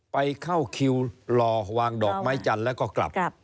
ไปเข้าคิวรอวางดอกไม้จันทร์แล้วก็กลับ